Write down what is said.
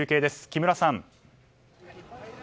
木村さん。